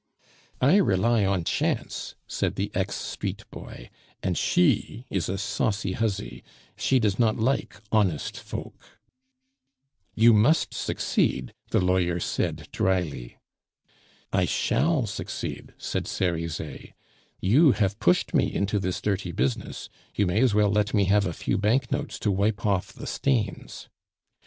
"I rely on chance," said the ex street boy, "and she is a saucy huzzy; she does not like honest folk. "You must succeed," said Cerizet. "You have pushed me into this dirty business; you may as well let me have a few banknotes to wipe off the stains."